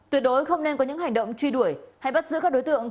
tuyệt đối không nên có những hành động truy đuổi hay bắt giữ các đối tượng